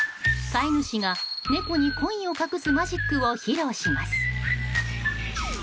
飼い主が猫にコインを隠すマジックを披露します。